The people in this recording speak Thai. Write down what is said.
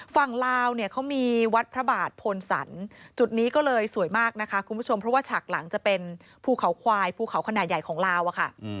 ลาวเนี่ยเขามีวัดพระบาทพลสันจุดนี้ก็เลยสวยมากนะคะคุณผู้ชมเพราะว่าฉากหลังจะเป็นภูเขาควายภูเขาขนาดใหญ่ของลาวอะค่ะ